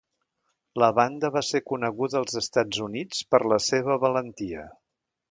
La banda va ser coneguda als Estats Units per la seva valentia.